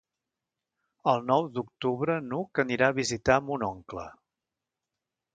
El nou d'octubre n'Hug anirà a visitar mon oncle.